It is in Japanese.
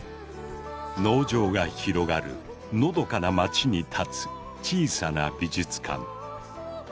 農場が広がるのどかな町に立つ小さな美術館。